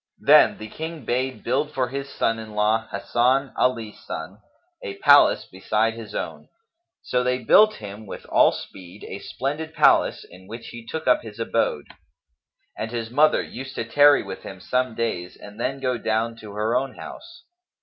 Then the King bade build for his son in law Hasan Ali son a palace beside his own; so they built him with all speed a splendid palace in which he took up his abode; and his mother used to tarry with him some days and then go down to her own house.